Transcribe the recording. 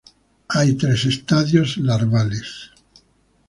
Hay tres estadios larvales.